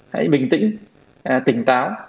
hãy bình tĩnh tỉnh táo